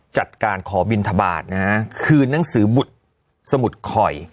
จัดการขอบินทบาทนะฮะคืนหนังสือบุตรสมุดข่อย